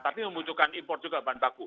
tapi membutuhkan import juga bahan baku